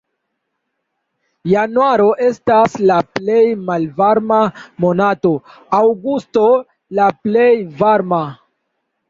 Januaro estas la plej malvarma monato, aŭgusto la plej varma.